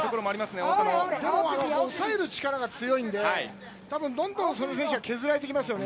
でも押さえる力が強いのでどんどん、祖根選手は削られていきますよね